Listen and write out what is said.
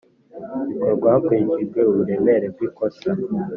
bikorwa hakurikijwe uburemere bw ikosa